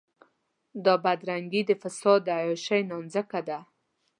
او بدرنګي د فساد د عياشۍ نانځکه ده.